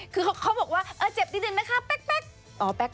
คือเขาบอกว่าเจ็บดินนะคะแป๊ก